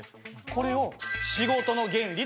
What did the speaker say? これを仕事の原理！